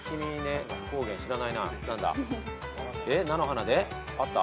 菜の花であった？